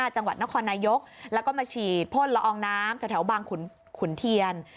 จังหวัดนครนายกแล้วก็มาฉีดพ่นละอองน้ำแถวบางขุนเทียน